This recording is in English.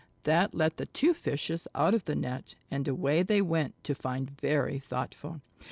That let the two Fishes out of the net and away they went to find Very Thoughtful.